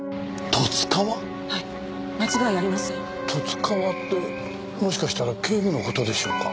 十津川ってもしかしたら警部の事でしょうか？